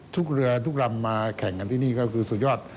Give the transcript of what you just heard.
เรือทุกลำมาแข่งกันที่นี่ก็คือสุดยอด